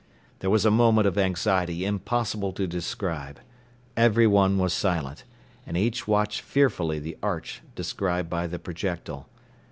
Then was a moment of anxiety impossible to describe; every one was silent, and each watched fearfully the arch described by the projectile.